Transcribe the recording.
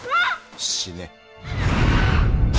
死ね。